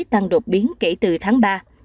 tăng đột biến kể từ tháng ba